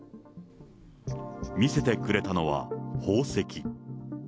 見せてくれたのは宝石。